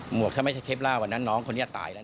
วกถ้าไม่ใช่คลิปล่าวันนั้นน้องคนนี้ตายแล้ว